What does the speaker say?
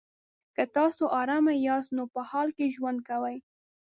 که تاسو ارامه یاست نو په حال کې ژوند کوئ.